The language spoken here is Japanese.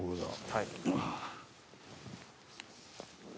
はい。